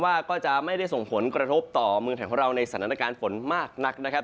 ว่าก็จะไม่ได้ส่งผลกระทบต่อมุมแทงเวลาในสถานการณ์ฝนมากนักนะครับ